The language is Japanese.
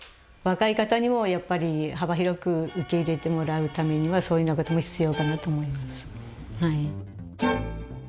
若い方にもやっぱり幅広く受け入れてもらうためにはそういうような事も必要かなと思います。